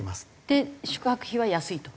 で宿泊費は安いと？